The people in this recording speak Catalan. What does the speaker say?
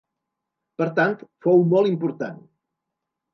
Per tant, fou molt important.